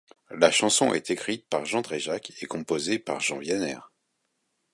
La chanson a été écrite par Jean Dréjac et composée par Jean Wiéner.